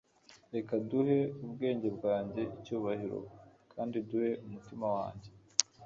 reka duhe ubwenge bwanjye icyubahiro, kandi duhe umutima wanjye